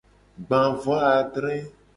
Gba vo adre.